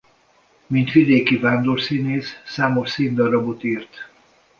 Mint vidéki vándorszínész számos színdarabot írt.